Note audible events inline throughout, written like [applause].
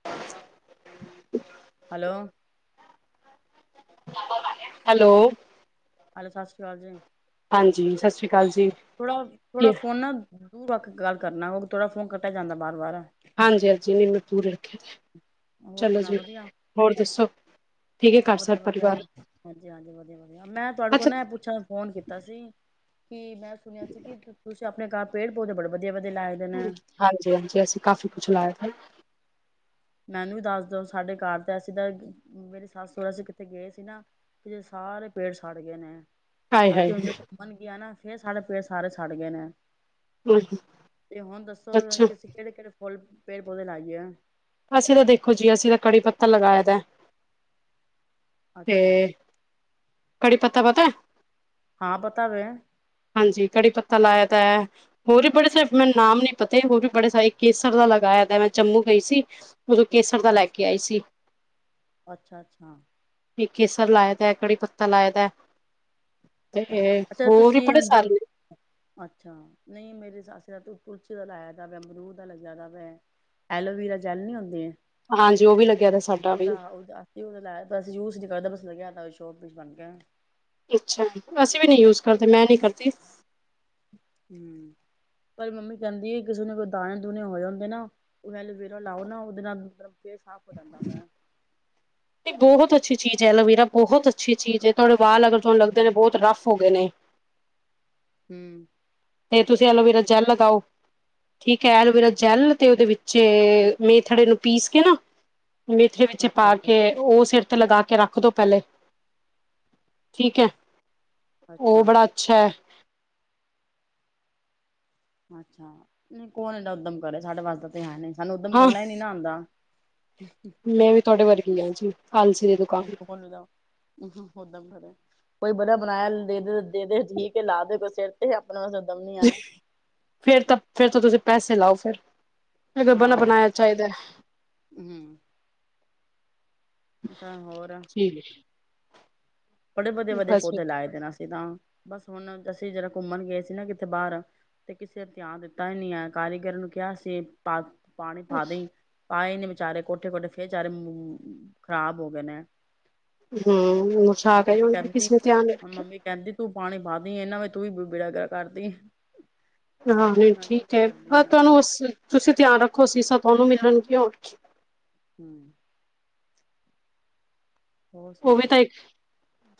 [unintelligible] Hello, hello, hello ਸਤਿ ਸ਼੍ਰੀ ਅਕਾਲ ਜੀ। ਹਾਂਜੀ, ਸਤਿ ਸ਼੍ਰੀ ਅਕਾਲ ਜੀ। ਥੋੜਾ, ਥੋੜਾ ਫੋਨ ਨਾ ਦੂਰ ਵ ਗੱਲ ਕਰਨਾ ਹੋਊ ਥੋੜਾ ਫੋਨ ਕੱਟਿਆ ਜਾਂਦਾ ਬਾਰ ਵਾਰ ਹਾਂਜੀ ਹਾਂਜੀ ਨਹੀਂ ਮੈਂ ਦੂਰ ਰੱਖਿਆ, ਹੋਰ ਚਲੋ ਸੁਣਾ ਜੀ ਵਧੀਆ ਹੋਰ ਦੱਸੋ? ਠੀਕ ਹੈ ਕਰ ਸਬ ਵਧੀਆ ਵਧੀਆ ਪਰਵਾਰ? ਹਾਂਜੀ ਹਾਂਜੀ, ਵਧੀਆ ਵਧੀਆ ਮੈਂ ਤੁਹਾਡੇ ਕੋਲ ਨਾ ਏ ਪੁੱਛਣ ਵਾਸਤੇ ਫੋਨ ਕੀਤਾ ਸੀ। ਕੀ ਮੈਂ ਸੁਣਿਆ ਸੀ ਕਿ ਤੁਸੀਂ ਆਪਣੇ ਘਰ ਪੇੜ ਪੌਦੇ ਬੜੇ ਵਧੀਆ ਵਧੀਆ ਲਾਏ। ਦੇ ਨੇ ਹਾਂਜੀ ਹਾਂਜੀ, ਅਸੀਂ ਕਾਫ਼ੀ ਕੁਛ ਲਾਇਆ ਸੀ। ਮੈਨੂੰ ਵੀ ਦੱਸਦੋ ਸਾਡੇ ਘਰ ਤੇ ਅਸੀਂ ਤਾਂ ਮੇਰੇ ਸੱਸ ਸਹੁਰੇ ਅਸੀਂ ਕਿੱਥੇ ਗਏ ਸੀ ਨਾ ਤੇ ਸਾਰੇ ਪੇੜ ਸੜ ਗਏ ਨੇ, ਹਾਏ ਅਸੀਂ ਹੁਣ ਹਾਏ ਜਦੋਂ ਘੁੰਮਣ ਗਿਆ ਆ ਨਾ ਫੇਰ ਸਾਡੇ ਪੇੜ ਸਾਰੇ ਸੜ ਗਏ ਨੇ। ਤੇ ਹੁਣ ਦੱਸੋ ਅੱਛਾ ਕੀ ਅਸੀਂ ਕਿਹੜੇ ਕਿਹੜੇ ਫੁੱਲ ਪੇੜ ਪੌਦੇ ਲਾਈ ਏ। ਅਸੀਂ ਤਾਂ ਦੇਖੋ ਜੀ ਅਸੀਂ ਤਾਂ ਕੜੀ ਪੱਤਾ ਲਗਾਇਆ ਦਾ। ਤੇ ਅੱਛਾ। ਕੜੀ ਪੱਤਾ ਪਤਾ। ਹਾਂ ਪਤਾ ਵੈ। ਹਾਂਜੀ ਕੜੀ ਪੱਤਾ ਲਾਏ ਦਾ ਐ। ਹੋਰ ਵੀ ਬੜੇ ਸਾਰੇ ਮੈਨੂੰ ਨਾਮ ਨੀ ਪਤੇ ਹੋਰ ਵੀ ਬੜੇ ਸਾਰੇ ਕੇਸਰ ਦਾ ਲਗਾਇਆ ਦਾ ਮੈਂ ਜੰਮੂ ਗਈ ਸੀ। ਉਦੋਂ ਕੇਸਰ ਦਾ ਲੈ ਕੇ ਅੱਛਾ। ਆਈ ਸੀ। ਅੱਛਾ ਅੱਛਾ ਕੇਸਰ ਲਾਏ ਦਾ ਕੜੀ ਪੱਤਾ ਲਾਏ ਦਾ। ਤੇ ਅੱਛਾ ਹੋਰ ਵੀ ਤੁਸੀਂ ਬੜੇ ਹੁਣ ਜਬ ਸਾਰੇ ਅੱਛਾ, ਨਹੀਂ ਮੇਰੇ ਸੱਸ ਦਾ ਤੂੰ ਕੁਲਚੇ ਦਾ ਲਾਇਆ ਦਾ ਅਮਰੂਦ ਦਾ ਲੱਗਿਆ ਦਾ ਵਾ। ਐਲੋਵੀਰਾ ਜੈਲ ਨਹੀਂ ਹੁੰਦੀ ਐ ਹਾਂਜੀ ਉਹ ਵੀ ਲੱਗਿਆ ਦਾ ਸਾਡਾ ਵੀ ਉਦਾ ਉਦਾ। ਨਹੀਂ ਓਦਾਂ ਲਾਇਆ ਬਸ ਯੂਜ ਨੀ ਕਰਦਾ ਬਸ [unintelligible] ਲਿਆ [unintelligible] ਬਣ ਗਿਆ। ਅੱਛਾ ਜੀ ਅਸੀਂ ਵੀ ਨੀ ਯੂਜ ਕਰਦੇ ਮੈਂ ਨੀ ਕਰਦੀ। ਹੂੰ। ਪਰ ਮੰਮੀ ਕਹਿੰਦੀ ਆ ਕਿਸੇ ਨੂੰ ਕੋਈ ਦਾਣੇ ਦੂਣੇ ਹੋ ਜਾਂਦੇ ਨਾ ਓ ਐਲੂਵੀਰਾ ਲਾਓ ਨਾ ਉਹਦੇ ਨਾਲ ਮਤਲਬ, ਫੇਸ ਸਾਫ ਹੋ ਜਾਂਦਾ ਵੈ। ਇਹ ਬਹੁਤ ਅੱਛੀ ਚੀਜ਼ ਐ ਐਲੋਵੀਰਾ ਬਹੁਤ ਅੱਛੀ ਚੀਜ਼ ਐ ਤੁਹਾਡੇ ਬਾਲ ਅਗਰ ਤੁਹਾਨੂੰ ਲੱਗਦੇ ਨੇ ਬਹੁਤ ਰੱਫ ਹੋ ਗਏ ਨੇ। ਹੂੰ। ਤੇ ਤੁਸੀਂ ਐਲੋਵੀਰਾ ਜੈਲ ਲਗਾਓ। ਠੀਕ ਐ ਐਲੋਵੇਰਾ ਜੈਲ ਤੇ ਉਹਦੇ ਵਿੱਚ ਮੇਥੜੇ ਨੂੰ ਪੀਸ ਕੇ ਨਾ। ਮੇਥਰੇ ਵਿੱਚ ਅੱਛਾ ਪਾ ਅੱਛਾ ਕੇ। ਉਹ ਸਿਰ ਤੇ ਲਗਾ ਕੇ ਰੱਖਦੋ ਪਹਿਲੇ ਠੀਕ ਐ। ਓ ਅੱਛਾ ਬੜਾ ਅੱਛਾ। ਅੱਛਾ, ਨਹੀਂ ਕੌਣ ਐਨਾ ਉੱਦਮ ਕਰੇ ਸਾਡੇ ਵਾਸਤੇ ਤਾਂ ਹੈ ਨੀ ਸਾਨੂੰ ਉੱਦਮ ਹਾਂ ਕਰਨਾ ਨੀ ਨਾ ਆਂਦਾ। [unintelligible] ਮੈਂ ਵੀ ਤੁਹਾਡੇ ਵਰਗੀ ਆ ਜੀ [unintelligible] [unintelligible] ਹੂੰ, ਉਦਮ ਕਰੇ ਕੋਈ ਬਣਾ ਬਣਾਇਆ ਦੇ ਦੇ ਦੇ ਦੇ ਠੀਕ ਏ ਲਾ ਦੇ ਕੋਈ ਸਿਰ ਤੇ ਆਪਣਾ ਚ ਤਾਂ ਦਮ ਨੀ ਆ। ਫੇਰ ਤਾਂ ਫਿਰ ਤਾਂ ਤੁਸੀਂ ਪੈਸੇ ਲਾਓ ਫਿਰ। ਅਗਰ ਬਣਾ ਹਾਂ ਬਣਾਇਆ ਚਾਹੀਦਾ। ਹੂੰ ਤਾਂ ਹੋਰ। ਠੀਕ। ਬੜੇ ਵਧੀਆ ਵਧੀਆ ਬਸ ਪੌਦੇ ਲਾਏ ਦੇ ਨੇ ਅਸੀਂ ਤਾਂ ਬਸ ਹੁਣ ਅਸੀਂ ਜਰਾ ਘੁੰਮਣ ਗਏ ਸੀ ਨਾ ਕਿਥੇ ਬਾਹਰ। ਤੇ ਕਿਸੇ ਨੇ ਧਿਆਨ ਦਿੱਤਾ ਈ ਨਈ ਆ ਕਾਰੀਗਰ ਨੂੰ ਕਿਹਾ ਸੀ ਪਾਣੀ ਪਾ ਦੀ ਪਾਏ ਨੀ ਵਿਚਾਰੇ ਕੋਠੇ ਕੋਠੇ ਫੇਰ ਵਿਚਾਰੇ ਖਰਾਬ ਹੋ ਗਏ ਨੇ। ਹੂੰ, ਹੁਣ [unintelligible] ਕੇ ਮੰਮੀ ਉਹ ਕਹਿੰਦੀ ਕਿਸ ਨੇ ਧਿਆਨ ਨੀ ਹੁਣ ਰੱਖੇ। ਮੰਮੀ ਕਹਿੰਦੀ ਤੂੰ ਪਾਣੀ ਪਾਂਦੀ ਇਹਨਾਂ ਵੀ ਤੂੰ ਵੀ ਬੇੜਾ ਗਰਕ ਕਰਦੀ। ਹਾਂਜੀ ਮੈਂ ਕਿਹਾ ਠੀਕ ਨਹੀਂ ਹੈ ਕਰਦੀ ਬ ਮੈਂ ਤੁਹਾਨੂੰ ਤੁਸੀਂ ਧਿਆਨ ਰੱਖੋ। ਅਸੀਸਾਂ ਤੁਹਾਨੂੰ ਮਿਲਣਗੀਆਂ। ਹੋਰ ਕੀ। ਹਮ। ਹੋਰ ਉਹ ਸੁਣਾ ਵੀ ਤਾਂ ਇੱਕ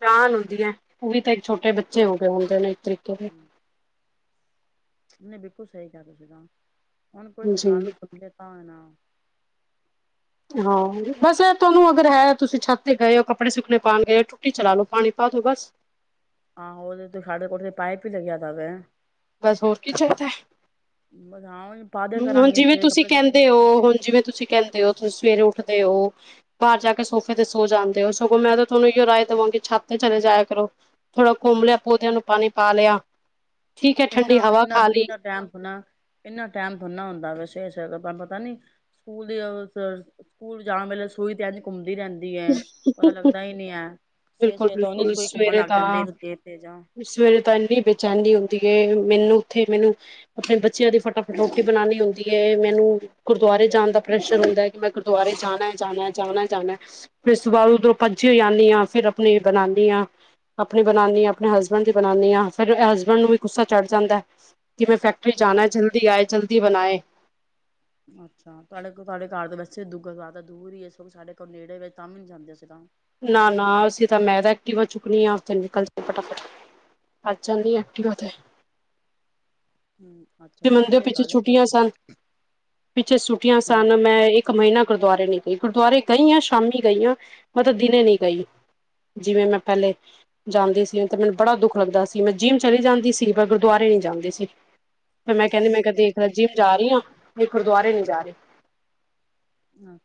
ਜਾਨ ਹੁੰਦੀ ਹੈ। ਉਹ ਵੀ ਤਾਂ ਇੱਕ ਛੋਟੇ ਬੱਚੇ ਹੋ ਗਏ ਹੁੰਦੇ ਨੇ ਇਸ ਤਰੀਕੇ। ਦੇ। ਹਮ। ਉਹਨੇ ਬਿਲਕੁਲ ਸਹੀ ਕਿਹਾ। ਤੁਸੀਂ ਤਾਂ ਹੁਣ ਕੋ ਗੱਲ ਜੀ ਨੂੰ ਸੁਣ ਲ ਤਾਂ ਨਾ। ਹਾਂ ਬਸ ਇਹ ਤੁਹਾਨੂੰ ਅਗਰ ਹੈ ਤੁਸੀਂ ਛੱਤ ਤੇ ਗਏ ਹੋ ਕੱਪੜੇ ਸੁੱਕਣੇ ਪਾਉਣ ਗਏ ਹੋ। ਟੁੱਟੀ ਚਲਾ ਲਓ ਪਾਣੀ ਪਾ ਦਿਓ ਬਸ। ਆਹੋ ਉਹਦੇ ਤੇ ਸਾਡੇ ਕੋ ਪਾਇਪ ਹੀ ਲੱਗਿਆ ਤਾ। ਬਸ ਹੋਰ ਕੀ ਚਾਹੀਦਾ ਐ। ਬ ਹਾ ਹੀ। ਹੁਣ ਜਿਵੇਂ ਤੁਸੀਂ ਕਹਿੰਦੇ ਹੋ ਹੁਣ ਜਿਵੇਂ ਤੁਸੀਂ ਕਹਿੰਦੇ ਹੋ ਤੁਸੀਂ ਸਵੇਰੇ ਉੱਠਦੇ ਹੋ। ਬਾਹਰ ਜਾ ਕੇ ਸੋਫੇ ਤੇ ਸੋ ਜਾਂਦੇ ਹੋ ਸਗੋਂ ਮੈਂ ਤਾਂ ਤੁਹਾਨੂੰ ਇਹੋ ਰਾਏ ਦੇਵਾਂਗੀ ਛੱਤ ਤੇ ਚਲੇ ਜਾਇਆ ਕਰੋ। ਥੋੜਾ ਘੁੰਮ ਲਿਆ। ਪੌਦਿਆਂ ਨੂੰ ਪਾਣੀ ਪਾ ਲਿਆ। ਠੀਕ ਹੈ ਇੰਨਾ ਠੰਡੀ ਹਵਾ ਇੰਨਾ ਖਾ ਲਈ ਇੰਨਾ ਟਾਈਮ ਥੋ੍ਹਾ ਇੰਨਾ ਟਾਈਮ ਥੋੜ੍ਹਾ ਨਾ ਹੁੰਦਾ ਵੈਸੇ ਪਤਾ ਨੀ। ਸਕੂਲ ਦੇ ਸਕੂਲ ਜਾਣ ਵੇਲੇ ਸੂਈ ਤੇ ਅੰ ਘੁੰਮਦੀ ਰਹਿੰਦੀ। ਹੈ ਪਤਾ ਲੱਗਦਾ ਹੀ ਨੀ ਹੈ ਸਹਰ ਬਿਲਕੁਲ ਸੇਰ ਤੇ ਉਹਦੀ ਬਿਲਕੁਲ ਸੂਈ ਘੁੰਮਣ ਸਵੇਰੇ ਲੱਗ ਜਾਂਦੇ ਤਾਂ ਦੇਰ ਤੇ ਜਾ। ਸਵੇਰੇ ਤਾਂ ਇੰਨੀ ਬੇਚੈਨੀ ਹੁੰਦੀ ਹੈ ਮੈਨੂੰ ਉੱਥੇ ਮੈਨੂੰ। ਆਪਣੇ ਬੱਚਿਆਂ ਦੀ ਫਟਾਫਟ ਰੋਟੀ ਬਣਾਉਣੀ ਹੁੰਦੀ ਹੈ ਮੈਨੂੰ। ਗੁਰਦੁਆਰੇ ਜਾਣ ਦਾ ਪ੍ਰਸ਼ਨ ਹੁੰਦਾ ਹੈ ਕਿ ਮੈਂ ਗੁਰਦੁਆਰੇ ਜਾਣਾ ਜਾਣਾ ਜਾਣਾ ਜਾਣਾ। ਫਿਰ ਸੁਬਾਹ ਉਧਰੋਂ ਭੱਜੀ ਹੋ ਆਂਦੀ ਹਾਂ ਫ਼ਿਰ ਆਪਣੇ ਬਣਾਉਂਦੀ ਹਾਂ। ਆਪਣੀ ਬਣਾਨੀ ਆ ਆਪਣੇ ਹਸਬੈਂਡ ਦੀ ਬਣਾਉਨੀ ਆ ਫਿਰ ਹਸਬੈਂਡ ਨੂੰ ਵੀ ਗੁੱਸਾ ਚੜ ਜਾਂਦਾ। ਕਿ ਮੈਂ ਫੈਕਟਰੀ ਜਾਣਾ ਹੈ ਜਲਦੀ ਆਏ ਜਲਦੀ ਬਣਾਏ। ਅੱਛਾ ਤੁਹਾਡੇ ਕੋ ਤੁਹਾਡੇ ਘਰ ਤਾਂ ਵੈਸੇ ਦੂਆਦਾ ਦੂਰ ਹੀ ਇਸ ਸਾਡੇ ਨੇੜੇ ਵਿੱਚ ਤਾਂ ਵੀ ਨੀ ਜਾਂਦੇ ਅਸੀ ਤਾਂ। ਨਾ ਨਾ ਅਸੀਂ ਤਾਂ ਮੈਂ ਤਾਂ ਐਕਟਿਵ ਚੁੱਕਣੀ ਆ ਦਿ ਨਲ ਫਟਾਫਟ। ਅੱ ਚਦੀ ਐਕਟਿਵਾ ਤੇ। ਹ ਅੱਛਾ। ਜ ਨਹੀਂ ਮੰੰਦੇ ਵਧੀਆ ਪਿੱਛੇ ਗੱਲ ਹੈ ਛੁੱਟੀਆਂ ਸਨ ਪਿੱਛੇ ਛੁੱਟੀਆਂ ਹੂੰ ਸਨ ਮੈਂ ਇੱਕ। ਇੱਕ ਮਹੀਨਾ ਗੁਰਦੁਆਰੇ ਨੀ ਗਈ। ਗੁਰਦੁਆਰੇ ਗਈ ਆ ਸ਼ਾਮੀ ਗਈ ਆ ਮਤਲਬ ਦਿਨੇ ਨੀ ਗਈ। ਜਿਵੇਂ ਮੈਂ ਪਹਿਲੇ। ਜਾਂਦੇ ਸੀ ਤੇ ਮੈਨੂੰ ਬੜਾ ਦੁੱਖ ਲੱਗਦਾ ਸੀ। ਮੈਂ ਜਿੰਮ ਚਲੀ ਜਾਂਦੀ ਸੀ ਪਰ ਗੁਰਦੁਆਰੇ ਨਹੀਂ ਜਾਂਦੀ ਸੀ। ਫਿਰ ਮੈਂ ਕਹਿੰਦੀ ਮੈਂ ਕਿਹਾ ਦੇਖ ਲ ਜਿਮ ਜਾ ਰਹੀ ਹਾਂ ਇਹ ਗੁਰਦੁਆਰੇ ਨੀ ਜਾ ਰਹੀ।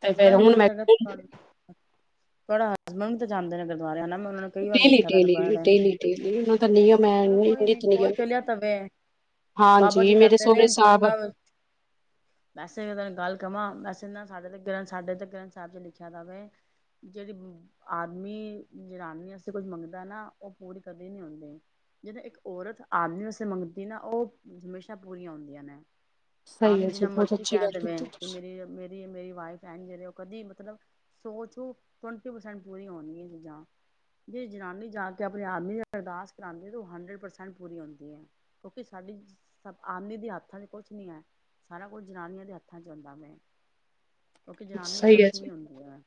ਤੇ ਫੇਰ ਮੈਂ ਹੁਣ ਮ ਤੁਹਾਡਾ ਹਸਬੈਂਡ ਵੀ ਤਾਂ ਜਾਂਦੇ ਨੇ ਗੁਰਦੁਆਰਿਆਂ ਨਾਲ। ਉਹਨਾਂ ਨੇ ਕਈ ਵਾਰ ਡੇਲੀ ਦੇਖਿਆ ਤ ਡੇਲੀ ਗਰਬ ਡੇਲੀ ਡੇਲੀ ਉਹਨਾਂ ਦਾ ਨਿਯਮ ਹੈ ਚਲੋ ਕੋਈ ਨੀ ਨਿਤ ਕੋਈ ਨਿਯਮ ਚਲਿਆ ਤਵੇ। ਬਾਬਾ ਹਾਂਜੀ ਜੀ ਮੇਰੇ ਕਹਿੰਦੇ ਨੇ ਸਹੁਰੇ ਸਾਹਿਬ ਦੋਨਾਂ ਵੈਸੇ ਗੱਲ ਕਵਾਂ ਵੈਸੇ। ਨਾ ਸਾਡੇ ਤੇ ਗ੍ਰੰਥ ਸਾਡੇ ਤੇ ਗ੍ਰੰਥ ਸਾਹਿਬ ਚ ਲਿਖਿਆ ਤਾਂਵੇ ਜਿਹੜੀ। ਆਦਮੀ ਜਨਾਨੀ ਤੇ ਕੁਝ ਮੰਗਦਾ ਨਾ ਉਹ ਪੂਰੀ ਕਦੇ ਨੀ ਹੁੰਦੀ। ਜਿੱਦਾਂ ਇੱਕ ਔਰਤ ਆਦਮੀ ਵਾਸਤੇ ਮੰਗਦੀ ਨਾ ਉਹ ਹਮੇਸ਼ਾ ਪੂਰੀਆਂ ਹੁੰਦੀਆਂ ਨੇ। ਸਹੀ ਆਮ ਹੈ ਜੀ ਜਿੰਨਾ ਬਹੁਤ ਮਰਜ਼ੀ ਅੱਛੀ ਕਹਿ ਗੱਲ ਦੇਵੇ ਕੀਤੀ ਕਿ ਤੁਸੀਂ ਮੇਰੀ ਮੇਰੀ ਮੇਰੀ ਵਾਈਫ ਹੈ ਜਿਹੜੇ ਉਹ ਕਦੀ ਮਤਲਬ। ਸੋ ਚੋ ਟਵੰਟੀ ਪਰਸੈਂਟ ਪੂਰੀ ਹੋਣੀ ਹੈ ਚੀਜ਼ਾਂ। ਜੇ ਜਨਾਨੀ ਜਾ ਕੇ ਆਪਣੇ ਆਦਮੀ ਲਈ ਅਰਦਾਸ ਕਰਾਉਂਦੀ ਹੈ ਤਾਂ ਉਹ ਹੰਡਰਡ ਪਰਸੈਂਟ ਪੂਰੀ ਹੁੰਦੀ ਹੈ। ਕਿਉਂਕਿ ਸਾਡੀ ਸ ਆਦਮੀ ਦੇ ਹੱਥਾਂ ਚ ਕੁਛ ਨੀ ਹੈ। ਸਾਰਾ ਕੁਝ ਜਨਾਨੀਆਂ ਦੇ ਹੱਥਾਂ 'ਚ ਹੁੰਦਾ ਮੈਂ। ਕਿਉਂਕਿ ਜਨਾਨੀ ਇੱਕ ਸਹੀ ਹੈ ਜੀ ਲਕਸ਼ਮੀ ਹੁੰਦੀ ਹੈ।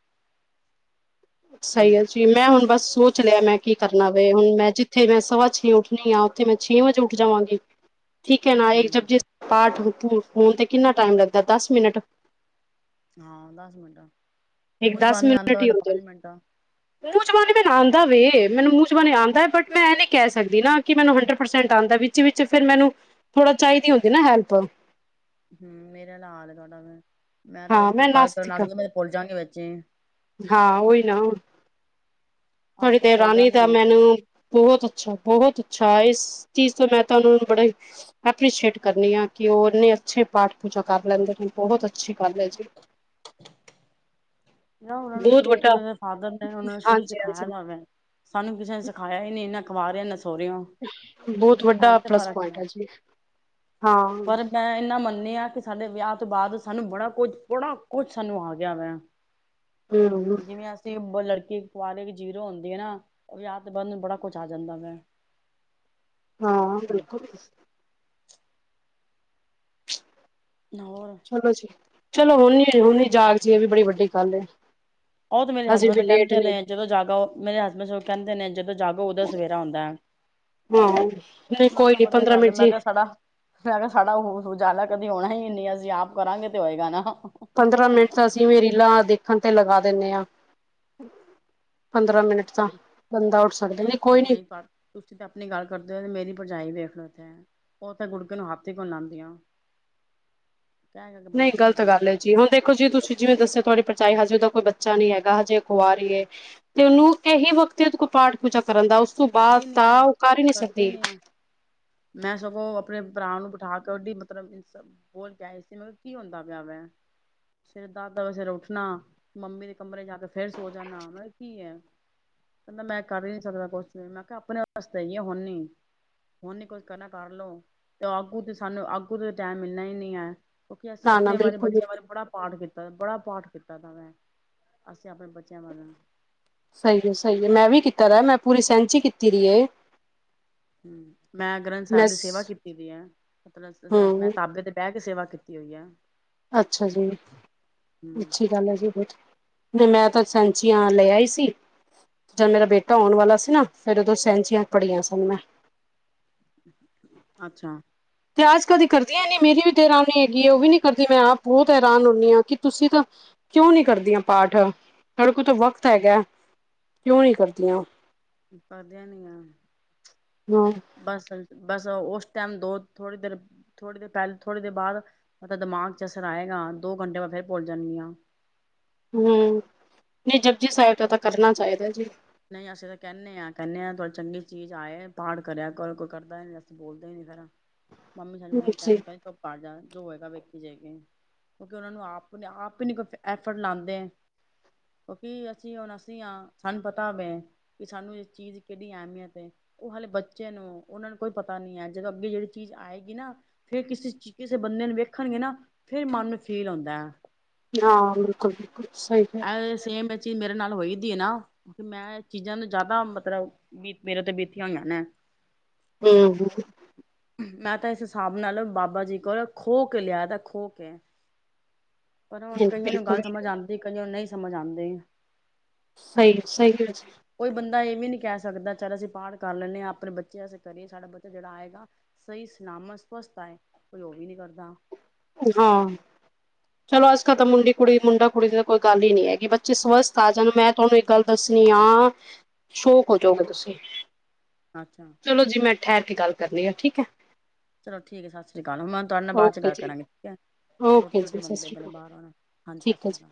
ਹੂੰ ਸਹੀ ਅ ਜ। ਮੈਂ ਹੁਣ ਬਸ ਸੋਚ ਲਿਆ ਮੈਂ ਕੀ ਕਰਨਾ ਵਏ ਹੁਣ ਮੈਂ ਜਿੱਥੇ ਮੈਂ ਸਵਾ ਛੇ ਉੱਠਣੀ ਆਂ ਉੱਥੇ ਮੈਂ ਛੇ ਵਜੇ ਉੱਠ ਜਾਵਾਂਗੀ। [inaudible] ਠੀਕ ਹੈ ਨਾ, ਜ ਹੂੰ ਜੇ ਪਾਠ ਹੋਣ ਤੇ ਕਿੰਨਾ ਟਾਈਮ ਲੱਗਦਾ ਦਸ ਮਿੰਟ, ਹਾਂ ਦਸ ਮਿੰਟ ਆ ਇੱਕ ਦਸ ਮੂੰਜਬਾਨੀ ਮਿੰਟ ਆਉਂਦਾ ਹ ਹੀ ਤਾਂ ਹੁੰਦੇ ਪੰਜ ਨੇ। ਮਿੰਟ ਆ, ਮੂੰਹ ਜੁਬਾਨੀ ਮੈਨੂੰ ਆਉਂਦਾ ਵੇ, ਮੈਨੂੰ ਮੂੰਹ ਜੁਬਾਨੀ ਆਂਦਾ ਬਟ ਮੈਂ ਇਹ ਨ ਨਹੀਂ ਕਹਿ ਸਕਦੀ ਨਾ, ਕਿ ਮੈਨੂੰ ਹੰਡਰਡ ਪਰਸੈਂਟ ਆਉਂਦਾ ਵੀ, ਤਾ ਵਿੱਚ ਫਿਰ ਮੈਨੂੰ ਥੋੜਾ ਚਾਹੀਦੀ ਹੁੰਦੀ ਨਾ ਹੈਲਪ, ਹੁ ਮੇਰਾ ਲਾਲ ਵਾਲਾ ਵਾ, ਮੈਂ ਤੇ ਵਿੱਚ ਹਾਂ ਕੋਈ ਗੱਲ ਕਰਨ ਆ ਨਾਸਤਿਕ ਗਈ ਮੈ ਭੁੱਲ ਜਾਗੀ ਵਿੱਚ ਈ, ਹਾਂ ਉਹੀ ਨਾ ਹੁਣ ਤੁਹਾਡੀ ਅਸੀਂ ਤਾਂ ਭੁੱਲ ਦਰਾਣੀ ਜਾਂਦੇ ਹਾਂ ਤਾਂ ਵਿੱਚ ਮੈਨੂੰ ਐ, ਬਹੁਤ ਅੱਛਾ- ਬਹੁਤ ਅੱਛਾ ਇਸ ਚੀਜ਼ ਤੋਂ ਮੈਂ ਤੁਹਾਨੂੰ ਹੁਣ ਬੜੇ, ਐਪ੍ਰੀਸ਼ੀਏਟ ਕਰਨੀ ਆ, ਕਿ ਉਹ ਇੰਨੇ ਅੱਛੇ ਪਾਠ ਪੂਜਾ ਕਰ ਲੈਂਦੇ ਨੇ ਬਹੁਤ ਅੱਛੇ, ਸਤਿ ਸ਼੍ਰੀ ਅਕਾਲ ਹੈ ਜੀ। ਨਾ ਉਹਨਾਂ ਨੂੰ ਬਹੁਤ ਸ਼ੁਰੂ ਵੱਡਾ ਤੋਂ ਉਹਨਾ ਦੇ ਫਾਦਰ ਨੇ ਉਹਨਾਂ ਨੂੰ ਸ਼ੁਰੂ ਤੋ ਹਾਂਜੀ ਸਿਖਾਇਆ ਹਾਂਜੀ ਹੋਇਆ ਵਾ, ਸਾਨੂੰ ਕਿਸੇ ਨੇ ਸਿਖਾਇਆ ਹੀ ਨੀ, ਨਾ ਕੁਆਰਿਓ ਨਾ ਸੋਹਰੀਓ, ਬਹੁਤ ਵੱਡਾ ਆਵੀ ਤੇ ਪਲੱਸ ਫ਼ਰਕ ਪੁਆਇੰਟ ਨਾ ਹੈ ਜੀ ਹਾਂ ਪਰ ਮੈਂ ਇਨਾ ਮਨ ਗਲ ਏ ਆ ਕੇ, ਸਾਡੇ ਵਿਆਹ ਤੋਂ ਬਾਅਦ ਸਾਨੂੰ ਬੜਾ ਕੁਝ ਬੜਾ ਕੁੱਛ ਸਾਨੂੰ ਆ ਗਿਆ ਵਾ, ਹਮ ਜਿਵੇਂ ਅਸੀਂ ਲੜਕੇ ਕੁਵਰੇ ਜੀਰੋ ਹੁੰਦੇ ਹੈ ਨਾ ਵਿਆਹ ਤੋ ਬਾਦ ਬੜਾ ਕੁਛ ਆ ਜਾਂਦਾ ਵ। ਹਾਂ ਬਿਲਕੁਲ। ਹੋਰ ਚਲੋ ਜੀ ਚਲੋ ਹੁਣ-ਹੁਣ ਜਾਗ ਜੀ ਇਹ ਵੀ ਬੜੀ ਵੱਡੀ ਗੱਲ ਹੈ ਉਹ ਤੇ ਮੇਰੇ ਹਜੇ ਹਸਬੈਂਡ ਵੀ ਲੇਟ ਕਹਿੰਦੇ ਨੀ ਨੇ, ਜਦੋਂ ਜਾਗੋ ਮੇਰੇ ਹਸਬੈਂਡ ਕਹਿੰਦੇ ਨੇ, ਜਦੋਂ ਜਾਗੋ ਉਦੋਂ ਸਵੇਰਰਾ ਹੋਂਦਾ ਆਹੋ ਨਹੀਂ ਕੋਈ ਨੀ ਪੰਦਰਾਂ ਗੱਲ ਮਿੰਟ ਮੈਂ ਜੀ ਕਿਹਾ ਸਾਡਾ ਮੈਂ ਕਿਹਾ ਸਾਡਾ ਉਜਾਲਾ ਕਦੇ ਹੋਣਾ ਹੀ ਨਹੀਂ ਇੰਡੀਆ ਚ ਆਪ ਕਰਾਂਗੇ ਤੇ ਹੋਏਗਾ ਨਾ, ਹਾ ਪੰਦਰਾਂ ਮਿੰਟ ਤਾਂ ਅਸੀਂ ਵੀ ਰੀਲਾਂ ਦੇਖਣ ਤੇ ਲਗਾ ਦਿੰਦੇ ਹਾਂ ਪੰਦਰਾਂ ਮਿੰਟ ਤਾਂ ਹਾਂ ਬੰਦਾ ਉੱਠ ਸਕਦਾ ਨਹੀਂ ਕੋਈ ਨਹੀਂ ਤੁਸੀਂ ਤੇ ਆਪਣੀ ਗੱਲ ਕਰਦੇ ਹੋ, ਮੇਰੀ ਭਰਜਾਈ ਵੇਖ ਲਓ ਤੇ, ਉਹ ਤੇ ਗੁੜਕੇ ਨੂੰ ਹੱਥ ਹੀ ਨੀ ਲਾਉਂਦੀਂਆ ਨਹੀਂ ਥੱਕ ਗਲਤ ਜਾਂਦਾ ਗੱਲ ਐ, ਵਾ ਜੀਂਵੇ ਦੇਖੋ ਜੀ ਤੁਸੀਂ ਜਿਵੇਂ ਦੱਸਿਆ ਤੁਹਾਡੀ ਪਰਜਾਈ ਹਜੇ ਉਹਦਾ ਕੋਈ ਬੱਚਾ ਨੀ ਹੈਗਾ ਹਜੇ ਔ ਕੁਵਾਰੀ ਏ ਤੇ ਉਹਨੂੰ ਇਹੀ ਵਕਤ ਏ ਪਾਠ ਪੂਜਾ ਕਰਨ ਦਾ ਉਸ ਤੋਂ ਬਾਦ ਕਰਦੀ ਨੀ ਤਾਂ ਆ ਉਹ ਕਰ ਹੀ ਨਹੀਂ ਕਰਦੀ ਸਕਦੀ ਨੀ ਆ ਮੈਂ ਸਗੋਂ ਆਪਣੇ ਭਰਾ ਨੂੰ ਬਿਠਾ ਕੇ ਉਹਦੀ ਮਤਲਬ ਦੀ ਸਭ ਹੋਰ ਦਸ ਸੀਮਰਥ ਕੀ ਹੁੰਦਾ ਪਿਆ ਵੈ ਸਵੇਰੇ ਦਸ-ਦਵਜੇ ਸਵੇਰੇ ਉੱਠਣਾ ਮੰਮੀ ਦੇ ਕਮਰੇ ਜਾ ਕੇ ਤੇ ਫੇਰ ਸੋ ਜਾਨਾ ਮੈਂ ਕਿਹਾ ਕੀ ਆ, ਕਹਿੰਦਾ ਮੈਂ ਕਰ ਹੀ ਨੀ ਸਕਦਾ ਕੁਛ ਫੇਰ ਮੈਂ ਕਿਹਾ ਆਪਣੇ ਵਾਸਤੇ ਆ ਹੁਣੀ, ਹੁਣ ਹੀ ਕੁਝ ਕਰਨਾ ਕਰ ਲਓ, ਤੇ ਆੱਗੂ ਤੇ ਸਾਨੂੰ ਆੱਗੂ ਤੇ ਟਾਈਮ ਮਿਲਣਾ ਹੀ ਨਹੀਂ ਐ, ਕਿਉਂਕਿ ਅਸੀਂ ਨਾ ਨਾ ਆਪਣੇ ਬਾਰੇ ਬਿਲਕੁਲ ਵੀ ਬੱਚਿਆਂ ਬਾਰੇ ਬੜਾ ਪਾਠ ਕੀਤਾ ਬੜਾ ਪਾਠ ਕੀਤਾ ਦਾ ਮੈਂ ਅਸੀਂ ਆਪਣੇ ਬੱਚਿਆਂ ਵਾਰੇ ਸਹੀ ਹੈ ਸਹੀ ਹੈ ਮੈਂ ਵੀ ਕੀਤਾ ਰੈ, ਮੈਂ ਪੂਰੀ ਸੈਹਚੀ ਕੀਤੀ ਰਿਏ ਹਮ ਮੈਂ ਗ੍ਰੰਥ ਮੈਂ ਸਾਹਿਬ ਦੀ ਸੇਵਾ ਕੀਤੀ ਦੀ ਹੈ, ਪਤਰਾਂ ਹਮ ਮੈਂ ਤਾਬੇ ਤੇ ਬਹਿ ਕੇ ਸੇਵਾ ਕੀਤੀ ਹੋਈ ਆ, ਅੱਛਾ ਜੀ ਹੂੰ, ਅੱਛੀ ਗੱਲ ਏ ਜੀ ਕੁੱਝ, ਨਈ ਮੈਂ ਤਾਂ ਸੈਅਚੀਂਆ ਲੈ ਆਈ ਸੀ, ਜਦ ਮੇਰਾ ਬੇਟਾ ਹੋਉਣ ਵਾਲਾ ਸੀ ਨਾ, ਫੇਿਰ ਉਦੋਂ ਸੈਅਂਚੀਆਂ ਪੜੀਆਂ ਸਨ ਮੈਂ ਅੱਛਾ ਤੇ ਆਜ -ਕੱਲ ਦੀਆ ਕਰਦੀਆਂ ਨਈ, ਮੇਰੀ ਵੀ ਦੇਰਾਨੀ ਹੈਗੀ ਹੈ, ਉਹ ਵੀ ਨੀ ਕਰਦੀ ਮੈਂ ਆਪ ਬਹੁਤ ਹੈਰਾਨ ਹੁੰਦੀ ਹਾਂ, ਕਿ ਤੁਸੀਂ ਤਾਂ ਕਿਉਂ ਨਈ ਕਰਦੀਆਂ ਪਾਠ ਓਦੇ ਕੋਲ ਤਾਂ ਵਕਤ ਹੈਗਾ, ਕਿਉਂ ਨਈ ਕਰਦੀਆਂ ਪਾਧਿਆ ਨੀਆਂ ਹਾਂ ਬਸ-ਬਸ ਉਸ ਟਾਈਮ ਦੋ ਥੋੜੀ ਦੇਰ ਥੋੜ੍ਹੀ ਦੇਰ ਪੈਲੇ ਥੋੜ੍ਹੀ ਦੇਰ ਬਾਦ ਮਤਲ ਦਿਮਾਗ 'ਚ ਅਸਰ ਆਏਗਾ ਦੋ ਘੰਟੇ ਮੈਂ ਫਿਰ ਭੁੱਲ ਜਾਂਣੀ ਆਂ ਹੂੰ ਨਈ ਜਪਜੀ ਸਾਹਿਬ ਦਾ ਤਾਂ ਕਰਨਾ ਚਾਹੀਦਾ ਜੀ। ਨਈ ਅਸੀਂ ਤਾਂ ਕੈਂਣੇ ਆਂ ਕੈਣੇ ਆਂ ਥੋੜੀ ਚੰਗੀ ਚੀਜ਼ ਆਏ ਪਾਠ ਕਰਿਆ ਕਰੋ ਕੋਈ ਕਰਦਾ ਨਈ ਅਸੀ ਬੋਲਦੇ ਹੀ ਨਈ ਫੇਰ ਮੰਮੀ ਸਾਡੀ ਮੰਮੀ ਜੀ ਕਹਿੰਦੀ ਕਹਿੰਦੀ ਧੁੱਪ ਆ ਜਾ ਜੋ ਹੋਏਗਾ ਵੇਖੀ ਜੇ ਗੀ। ਕਿਉਂਕਿ ਉਹਨਾ ਨੂੰ ਆਪ-ਆਪ ਹੀ ਨਈ ਕੋਈ ਐਫਰਟ ਲਾਂਦੇ। ਕਿਉਂਕਿ ਅਸੀਂ ਹੁਣ ਅਸੀਂ ਹਾਂ ਸਾਨੂੰ ਪਤਾ ਪਤਾ ਪ ਹੈ ਕਿ ਸਾਨੂੰ ਇਹ ਚੀਜ਼ ਕਿਡੀ ਅਹਿਮੀਅਤ ਏ। ਉਹ ਹੱਲੇ ਬੱਚੇ ਨੇ ਉਹਨਾਂ ਨੂੰ ਕੋਈ ਪਤਾ ਨੀ ਹੈ ਜਦੋਂ ਅੱਗੇ ਜਿਹੜੀ ਚੀਜ਼ ਆਏਗੀ ਨਾ ਫੇਰ ਕਿਸੇ-ਕਿਸੇ ਬੰਦੇ ਨੂੰ ਵੇਖਣਗੇ ਨਾ ਫਿਰ ਮਨ ਨੂੰ ਫੀਲ ਹੁੰਦਾ। ਹਾਂ ਬਿਲਕੁਲ-ਬਿਲਕੁਲ ਆ ਸੇਮ ਬ ਚੀਜ਼ ਮੇਰੇ ਨਾਲ ਹੋਈਦੀ ਆ ਨਾ ਮੈਂ ਚੀਜ਼ਾਂ ਨੂੰ ਜਾਦਾ ਮਤਲਬ ਬ ਮੇਰੇ ਤੇ ਬੀਤੀਆਂ ਹੋਈਆਂ ਨੇ। ਹੂੰ ਮੈਂ ਤਾਂ ਇਸ ਹਿਸਾਬ ਨਾਲ ਬਾਬਾ ਜੀ ਕੋਲ ਖ੍ਹੋਹ ਕੇ ਲਿਆ ਦੈ ਖ੍ਹੋ ਕੇ ਪਰ ਹੁਣ ਕਈਆਂ ਨੂੰ ਬਿਲਕੁਲ ਗੱਲ ਸਮਝ ਆਂਦੀ ਕਈਆਂ ਨੂੰ ਨਈ ਸਮਝ ਆਂਦੀ। ਸਈ-ਸਈ ਕਿਆ ਜੇ ਕੋਈ ਬੰਦਾ ਇਹ ਵੀ ਨਈ ਕਹਿ ਸਕਦਾ ਚੱਲ ਅਸੀਂ ਪਾਠ ਕਰ ਲੈਂਣੇ ਆਂ ਆਪਣੇ ਬੱਚੇ ਆਸੇ ਕਰੀਏ ਸਾਡਾ ਬੱਚਾ ਜੇੜਾ ਆਏਗਾ। ਸਈ ਸਨਾਮਸ ਸਵਸਥ ਆਏ ਕੋਈ ਓ ਵੀ ਨਈ ਕਰਦਾ। ਹਾਂ [inaudible] ਚਲੋ ਅੱਜ ਕੱਲ ਤਾਂ ਮੁੰਡੇ ਕੁੜੀ ਮੁੰਡਾ ਕੁੜੀ ਦੀ ਤਾਂ ਕੋਈ ਗੱਲ ਹੀ ਨਈ ਹੈ ਕਿ ਬੱਚੇ ਸਵਸਥ ਆ ਜਾਣ ਮੈਂ ਤੁਹਾਨੂੰ ਇੱਕ ਗੱਲ ਦੱਸਣੀ ਆ ਸ਼ੋਕ ਹੋ ਜੋਗੇ ਤੁਸੀਂ ਅੱਛਾ ਚਲੋ ਜੀ ਮੈਂ ਠਹਿਰ ਕੇ ਗੱਲ ਕਰ ਨੀ ਆ ਠੀਕ ਹੈ। ਚਲੋ ਠੀਕ ਹੈ ਸਤਿ ਸ੍ਰੀ ਅਕਾਲ ਮੈਂ ਤੁਹਾਡੇ ਨਾਲ ਬਾਦ 'ਚ ਓਕੇ ਗੱਲ ਜੀ ਕਰਾਂਗੀ ਠੀਕ ਹੈ। ਓਕੇ ਰੋਟੀ ਰੁਟੀ ਜੀ ਸਤਿ ਮੰਗਦੇ ਸ਼੍ਰੀ ਆਪਣੇ ਅਕਾਲ ਬਾਰ ਨੂੰ ਹਾਂਜੀ ਸਤਿ ਠੀਕ ਹੈ ਜੀ ਸ਼੍ਰੀ ਅਕਾਲ।